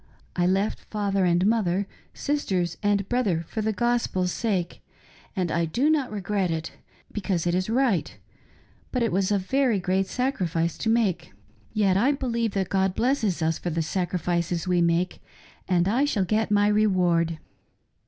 I left father and mother, sis ters and brother for the Gospel's sake, and I do not regret it, because it is right, but it was a very great sacrifice to make. 260 A MORMON WIFe's OPINION OF liRIGHAM. Yet I believe that God blesses us for the sacrifices we make, and I shall get my reward."